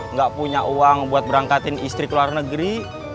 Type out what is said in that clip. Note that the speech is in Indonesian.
nggak punya uang buat berangkatin istri ke luar negeri